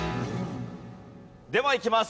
ではいきます。